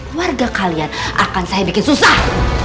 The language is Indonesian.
keluarga kalian akan saya bikin susah